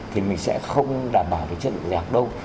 thì mình sẽ không đảm bảo về chất lượng dạy học đâu